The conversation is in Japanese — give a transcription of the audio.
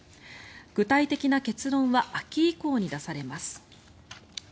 具体的な結論は秋以降に出されます。